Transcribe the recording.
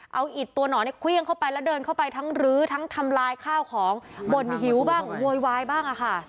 เอาอิดตัวหนอนเนี่ยเครื่องเข้าไปแล้วเดินเข้าไปทั้งรื้อทั้งทำลายข้าวของบ่นหิวบ้างโวยวายบ้างอะค่ะ